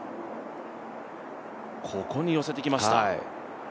ここに寄せてきました。